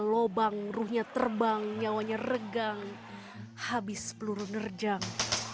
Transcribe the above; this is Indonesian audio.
lubang ruhnya terbang nyawanya regang habis peluru nerjang